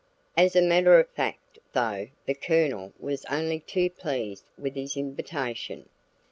As a matter of fact though, the Colonel was only too pleased with his invitation.